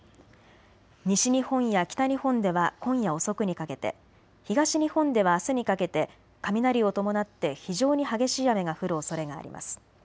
西日本や北日本では今夜遅くにかけて、東日本ではあすにかけて雷を伴って非常に激しい雨が降るおそれがあります。